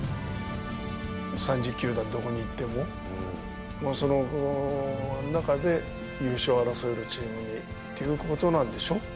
３０球団どこに行っても、その中で優勝争えるチームに行けるということなんでしょ。